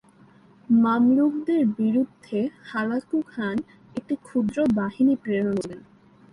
মামলুকদের বিরুদ্ধে Hulagu Khan একটি ক্ষুদ্র বাহিনী প্রেরণ করেছিলেন।